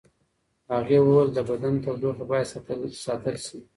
هغې وویل د بدن تودوخه باید ساتل شي.